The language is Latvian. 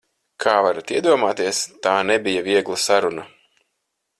Kā varat iedomāties, tā nebija viegla saruna.